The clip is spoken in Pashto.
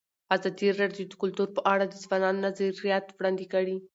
ازادي راډیو د کلتور په اړه د ځوانانو نظریات وړاندې کړي.